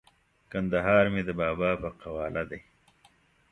کندهار مې د بابا په قواله دی!